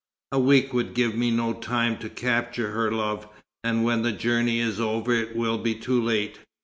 A week would give me no time to capture her love, and when the journey is over it will be too late.